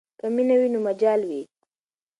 که مینه وي نو مجال وي.